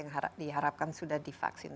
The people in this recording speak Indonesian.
yang diharapkan sudah divaksin